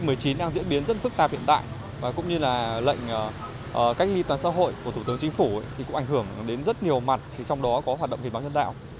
covid một mươi chín đang diễn biến rất phức tạp hiện tại và cũng như là lệnh cách ly toàn xã hội của thủ tướng chính phủ thì cũng ảnh hưởng đến rất nhiều mặt trong đó có hoạt động hiến máu nhân đạo